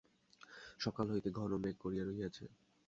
সকাল হইতে ঘন মেঘ করিয়া রহিয়াছে।